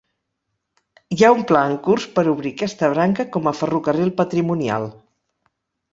Hi ha un pla en curs per obrir aquesta branca com a ferrocarril patrimonial.